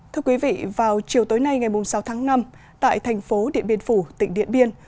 thưa quý vị vào chiều tối nay ngày sáu tháng năm tại thành phố điện biên phủ tỉnh điện biên